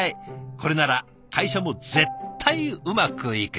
これなら会社も絶対うまくいく。